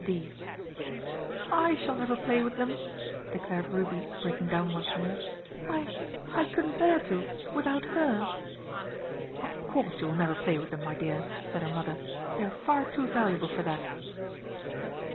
D._" "I shall never play with them!" declared Ruby breaking down once more. "I I couldn't bear to, without Her!" "Of course you will never play with them, my dear," said her mother, "they are far too valuable for that."